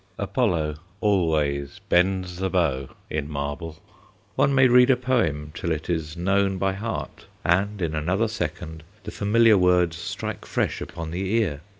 Apollo always bends the bow in marble. One may read a poem till it is known by heart, and in another second the familiar words strike fresh upon the ear.